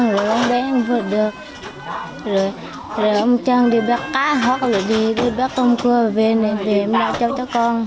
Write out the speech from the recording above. rồi ông trang đi bắt cá hoặc là đi bắt con cua về nên em làm cho con